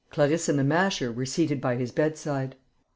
Clarisse and the Masher were seated by his bedside.